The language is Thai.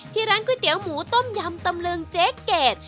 ร้านก๋วยเตี๋ยหมูต้มยำตำลึงเจ๊เกด